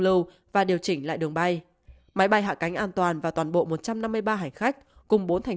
lưu và điều chỉnh lại đường bay máy bay hạ cánh an toàn và toàn bộ một trăm năm mươi ba hải khách cùng bốn thành